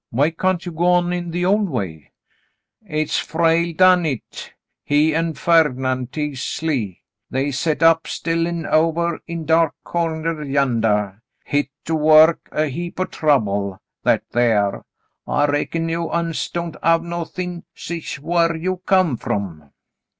'^ Why can't you go on in the old way ?" "Hit's Frale done hit. He an' Ferd'nan' Teasley, they set up 'stillin' ovah in Dark Cornder yandah. Hit do work a heap o' trouble, that thar. I reckon you uns don't have no thin' sich whar you come from.